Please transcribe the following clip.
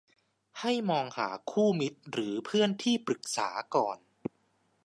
ให้มองหาคู่มิตรหรือเพื่อนที่ปรึกษาก่อน